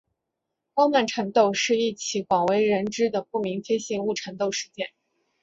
高曼缠斗是一起广为人知的不明飞行物缠斗事件。